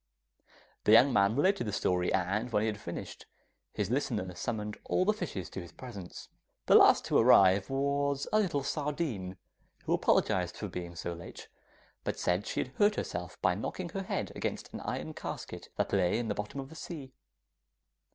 The young man related the story, and when he had finished his listener summoned all the fishes to his presence. The last to arrive was a little sardine, who apologised for being so late, but said she had hurt herself by knocking her head against an iron casket that lay in the bottom of the sea.